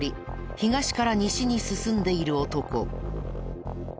東から西に進んでいる男。